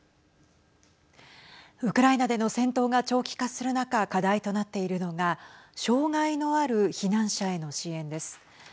ウクライナでの戦闘が長期化する中課題となっているのが障害のある避難者への支援です。